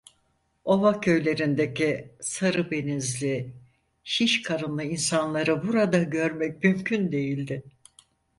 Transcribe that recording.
Ova köylerindeki sarı benizli, şiş karınlı insanları burada görmek mümkün değildi.